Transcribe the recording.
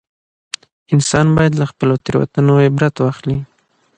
انسان باید له خپلو تېروتنو عبرت واخلي